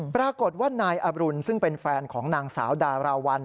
ปรากฏว่านายอรุณซึ่งเป็นแฟนของนางสาวดาราวัล